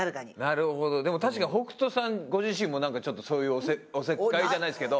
でも確かに北斗さんご自身もなんかちょっとそういうおせっかいじゃないですけど。